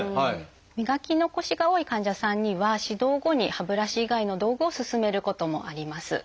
磨き残しが多い患者さんには指導後に歯ブラシ以外の道具をすすめることもあります。